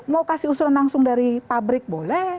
mau kasih usulan langsung dari pabrik boleh